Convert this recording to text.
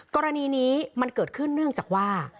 กรณีนี้มันเกิดขึ้นเนื่องจากว่า